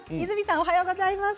おはようございます。